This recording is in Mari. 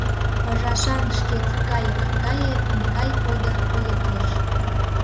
Пыжашан шкет кайык гае Микай кодо тулыкеш.